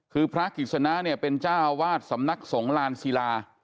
คือพระกฤษณะเป็นเจ้าอาวาสสำนักสงฆ์ลานศิลา